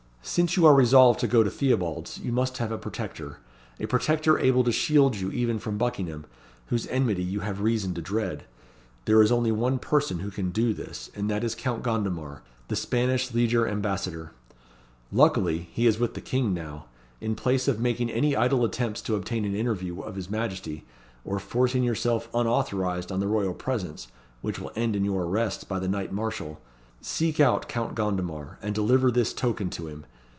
Since you are resolved to go to Theobalds you must have a protector a protector able to shield you even from Buckingham, whose enmity you have reason to dread. There is only one person who can do this, and that is Count Gondomar, the Spanish lieger ambassador. Luckily, he is with the King now. In place of making any idle attempts to obtain an interview of his Majesty, or forcing yourself unauthorised on the royal presence, which will end in your arrest by the Knight Marshall, seek out Count Gondomar, and deliver this token to him.